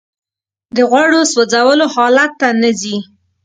د غوړو سوځولو حالت ته نه ځي